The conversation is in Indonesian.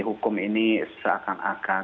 hukum ini seakan akan